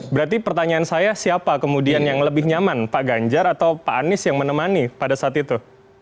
berarti pertanyaan saya siapa kemudian yang lebih nyaman pak ganjar atau pak anies yang menemani pada saat itu